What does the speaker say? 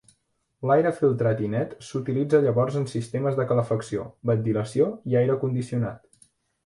L'aire filtrat i net s'utilitza llavors en sistemes de calefacció, ventilació i aire condicionat.